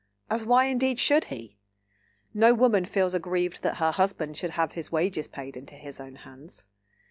As why indeed should he? No woman feels aggrieved that her husband should have his wages paid into his own hands.